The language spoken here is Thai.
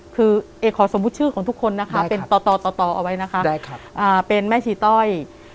โกนผมเลย